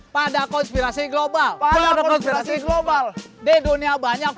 pege mana sih kalian